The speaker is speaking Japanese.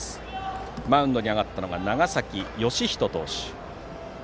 マウンドに上がったのが長崎義仁投手。